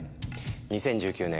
２０１９年